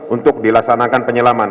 untuk dilaksanakan penyelaman